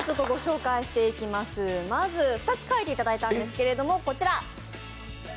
まず２つ描いていただいたんですけど、こちら。